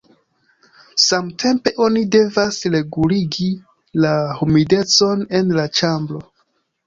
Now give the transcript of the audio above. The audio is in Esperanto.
Samtempe oni devas reguligi la humidecon en la ĉambro.